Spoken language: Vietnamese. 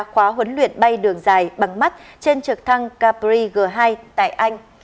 khóa huấn luyện bay đường dài bằng mắt trên trực thăng capri g hai tại anh